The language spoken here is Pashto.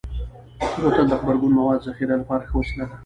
بوتل د غبرګون موادو ذخیره لپاره ښه وسیله ده.